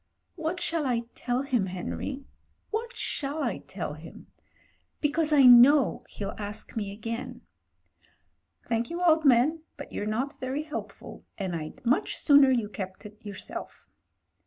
What shall I tell him, Henry — ^what shall I tell him? Because I know he'll ask me again. Thank you, old man, but you're not very helpful, and Fd much sooner you kept it yourself."